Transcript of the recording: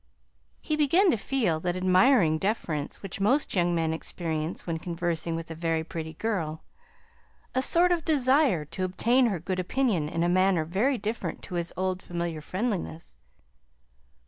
He began to feel that admiring deference which most young men experience when conversing with a very pretty girl: a sort of desire to obtain her good opinion in a manner very different to his old familiar friendliness.